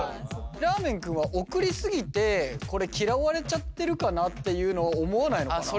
らーめん君は送り過ぎてこれ嫌われちゃってるかなっていうのを思わないのかな。